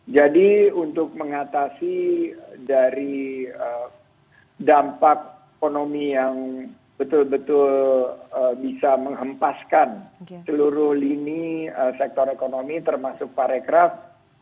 jadi untuk mengatasi dari dampak ekonomi yang betul betul bisa memhempaskan seluruh lini sektor ekonomi termasuk pariwisata